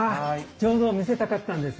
ちょうど見せたかったんですよ。